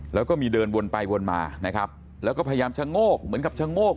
แล้วก็มีเดินวนไปวนมานะครับแล้วก็พยายามชะโงกเหมือนกับชะโงก